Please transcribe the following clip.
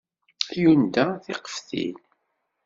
Yunda tiqeftin.